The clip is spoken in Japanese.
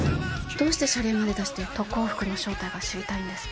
どうして謝礼まで出して特攻服の正体が知りたいんですか？